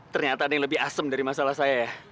ternyata ada yang lebih asem dari masalah saya ya